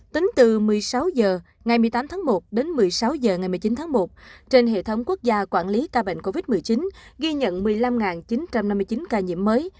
tính từ một mươi sáu h ngày một mươi tám tháng một đến một mươi sáu h ngày một mươi chín tháng một trên hệ thống quốc gia quản lý ca bệnh covid một mươi chín ghi nhận một mươi năm chín trăm năm mươi chín ca nhiễm mới